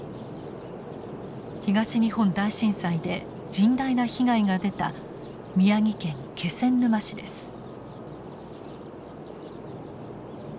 東日本大震災で甚大な被害が出た宮城県気仙沼市です。